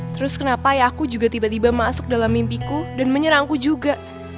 terus kenapa ya aku juga tiba tiba masuk dalam mimpiku dan menyerangku juga